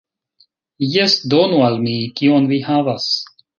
Jes, donu al mi. Kion vi havas?